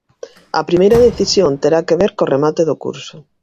A primeira decisión terá que ver co remate do curso.